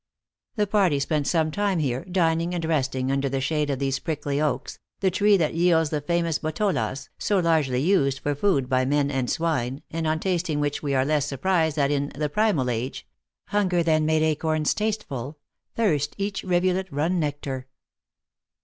The party spent some time here, dining and resting under the shade of these prickly oaks, the tree that yields the famous botolas, so largely used for food by men and swine, and on tasting which we are less sur prised that in " the primal age," " Hunger then Made acorns tasteful ; thirst each rivulet Run nectar."